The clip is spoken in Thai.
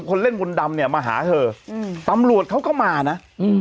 คนเล่นมนต์ดำเนี่ยมาหาเธออืมตำรวจเขาก็มานะอืม